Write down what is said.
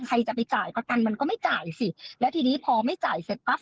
ใครจะไปจ่ายประกันมันก็ไม่จ่ายสิแล้วทีนี้พอไม่จ่ายเสร็จปั๊บ